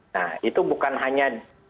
nah itu bukan hanya